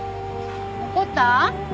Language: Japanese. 怒った？